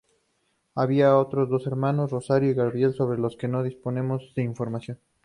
Había otros dos hermanos, Rosario y Gabriel, sobre los que no disponemos de información.